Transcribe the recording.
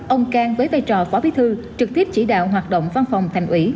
ông cang với vai trò phó bí thư trực tiếp chỉ đạo hoạt động văn phòng thành ủy